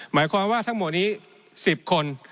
หมายความว่าทั้งหมดนี้๑๐คน